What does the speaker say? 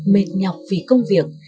mệt nhọc vì công việc